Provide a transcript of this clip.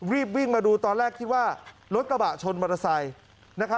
รีบวิ่งมาดูตอนแรกคิดว่ารถกระบะชนมอเตอร์ไซค์